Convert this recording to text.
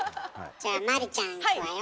じゃあ麻里ちゃんいくわよ。